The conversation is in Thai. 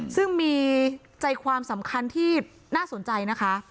ซึ่งมีใจความสำคัญที่น่าสนใจนะคะ